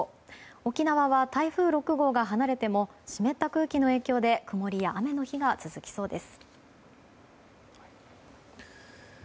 沖縄は台風６号が離れても湿った空気の影響で曇りや雨の日が続きそうです。